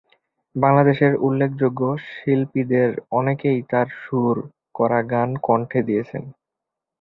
বাংলাদেশের উল্লেখযোগ্য শিল্পীদের অনেকেই তার সুর করা গানে কণ্ঠ দিয়েছেন।